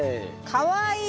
かわいい。